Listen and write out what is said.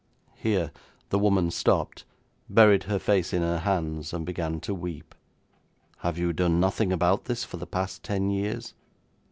Here the woman stopped, buried her face in her hands, and began to weep. 'Have you done nothing about this for the past ten years?'